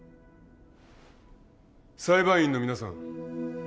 裁判員の皆さん